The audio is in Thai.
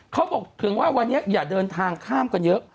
เขาบอกถึงว่าวันนี้อย่าเดินทางข้ามกันเยอะ